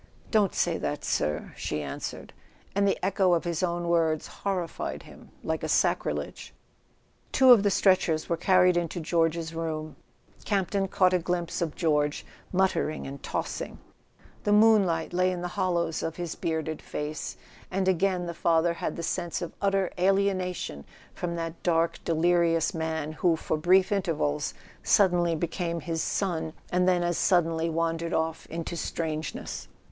"Don't say that, sir," she answered; and the echo of his own words horrified him like a sacrilege. Two of the stretchers were carried into George's [ 287 ] A SON AT THE FRONT room. Campton caught a glimpse of George, mutter¬ ing and tossing; the moonlight lay in the hollows of his bearded face, and again the father had the sense of utter alienation from that dark delirious man who for brief intervals suddenly became his son, and then as suddenly wandered off into strangeness.